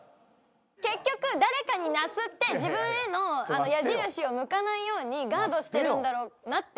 結局誰かになすって自分への矢印を向かないようにガードしてるんだろうなって思う。